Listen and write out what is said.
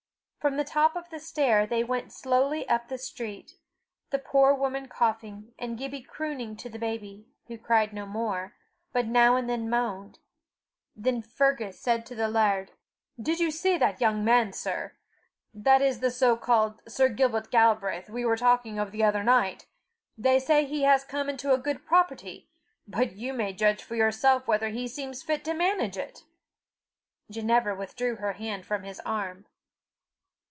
From the top of the stair they went slowly up the street, the poor woman coughing, and Gibbie crooning to the baby, who cried no more, but now and then moaned. Then Fergus said to the laird: "Did you see that young man, sir? That is the so called Sir Gilbert Galbraith we were talking of the other night. They say he has come into a good property, but you may judge for yourself whether he seems fit to manage it!" Ginevra withdrew her hand from his arm.